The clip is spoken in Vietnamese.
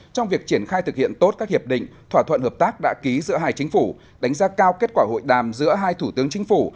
trong việc triển khai thực hiện tốt các hiệp định thỏa thuận hợp tác đã ký giữa hai chính phủ đánh giá cao kết quả hội đàm giữa hai thủ tướng chính phủ